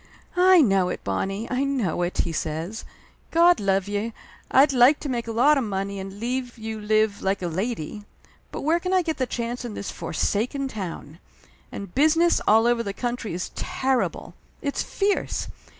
"I know it, Bonnie, I know it!" he said. "God love ye, I'd like to make a lot of money and leave you live like a lady. But where can I get the chance in this forsaken town? And business all over the country is terrible it's fierce!